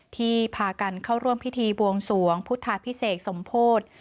พากันเข้าร่วมพิธีบวงสวงพุทธาพิเศษสมโพธิ